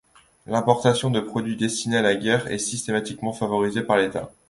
L'importation de produits destinés à la guerre est systématiquement favorisée par l’État.